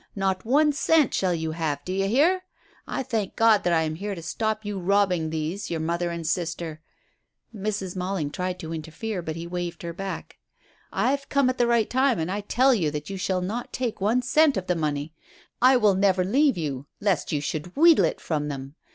"Not one cent shall you have; do you hear? I thank God that I am here to stop you robbing these, your mother and sister." Mrs. Malling tried to interfere, but he waved her back. "I've come at the right time, and I tell you that you shall not take one cent of the money. I will never leave you lest you should wheedle it from them.